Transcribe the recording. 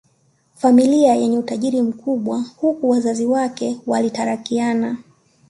familia yenye utajiri mkubwa Huku wazazi wake walitalakiana